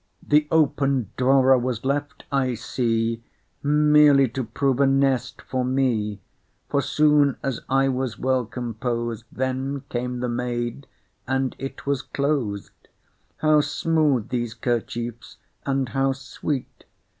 The open drawer was left, I see, Merely to prove a nest for me, For soon as I was well composed, Then came the maid, and it was closed, How smooth these 'kerchiefs, and how sweet!